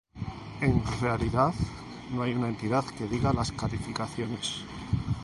En realidad, no hay una entidad que diga las calificaciones.